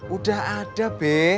udah ada be